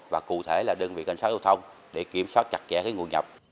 và cụ thể là đơn vị cân sát thông thông để kiểm soát chặt chẽ cái nguồn nhập